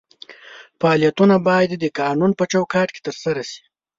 فعالیتونه باید د قانون په چوکاټ کې ترسره شي.